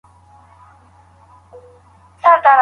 ولي کوښښ کوونکی د با استعداده کس په پرتله ښه ځلېږي؟